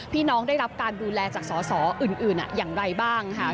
ได้รับการดูแลจากสอสออื่นอย่างไรบ้างค่ะ